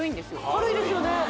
軽いですよね